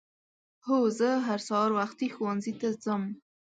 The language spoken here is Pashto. هو زه هر سهار وختي ښؤونځي ته ځم.